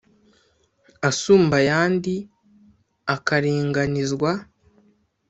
asumba ayandi akaringanizwa